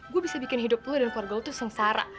gue bisa bikin hidup lo dan keluarga lo tuh sengsara